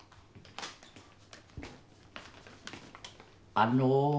あの。